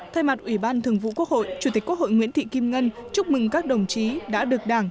thay mặt ủy ban thường vụ quốc hội chủ tịch quốc hội nguyễn thị kim ngân chúc mừng các đồng chí đã được đảng